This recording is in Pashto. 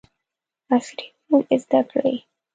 عصري علوم زده کړي.